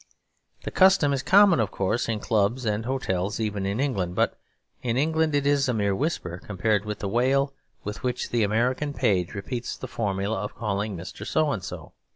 The custom is common, of course, in clubs and hotels even in England; but in England it is a mere whisper compared with the wail with which the American page repeats the formula of 'Calling Mr. So and So.'